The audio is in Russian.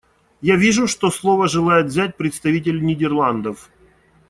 Я вижу, что слово желает взять представитель Нидерландов.